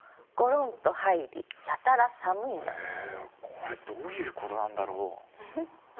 これどういうことなんだろう？